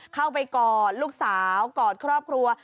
กอดลูกสาวกอดครอบครัว